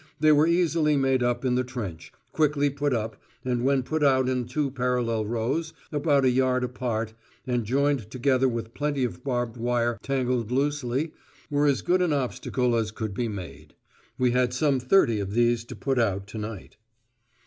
They were easily made up in the trench, quickly put up, and when put out in two parallel rows, about a yard apart, and joined together with plenty of barbed wire tangled in loosely, were as good an obstacle as could be made. We had some thirty of these to put out to night.